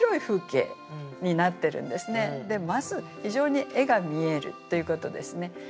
まず非常に絵が見えるということですね。